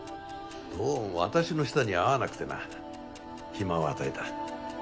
どうも私の舌には合わなくてな暇を与えた。